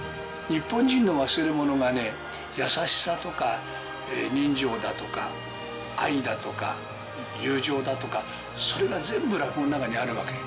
日本人の忘れ物はね、優しさとか人情だとか、愛だとか、友情だとか、それが全部、落語の中にあるわけ。